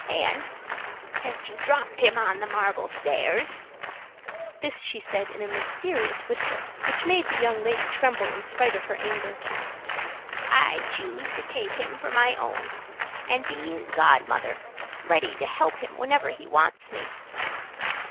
And since you dropped him on the marble stairs (this she said in a mysterious whisper, which made the young lady tremble in spite of her anger) I choose to take him for my own, and be his godmother, ready to help him whenever he wants me."